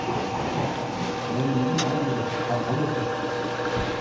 ともに右の相四つです。